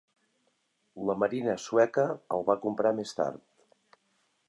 La Marina sueca el va comprar més tard.